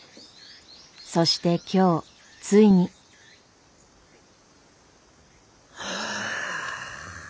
そして今日ついに。はあ。